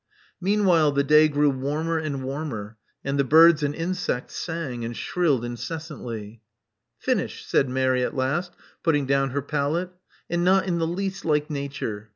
Meanwhile the day grew no Love Among the Artists warmer and warmer; and the birds and insects sang and shrilled incessantly. Finished," said Mary at last, putting down her palette. And not in the least like nature.